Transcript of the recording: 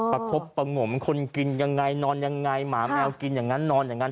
ประคบประงมคนกินยังไงนอนยังไงหมาแมวกินอย่างนั้นนอนอย่างนั้น